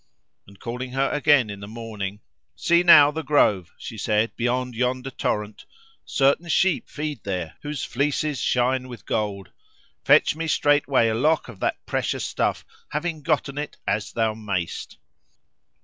And calling her again in the morning, "See now the grove," she said, "beyond yonder torrent. Certain sheep feed there, whose fleeces shine with gold. Fetch me straightway a lock of that precious stuff, having gotten it as thou mayst."